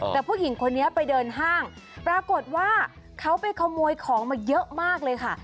แต่ผู้หญิงคนนี้ไปเดินห้างปรากฏว่าเขาไปขโมยของมาเยอะมากเลยค่ะ